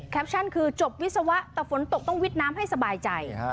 ชั่นคือจบวิศวะแต่ฝนตกต้องวิดน้ำให้สบายใจ